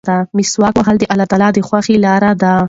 مسواک وهل د الله تعالی د خوښۍ لاره ده.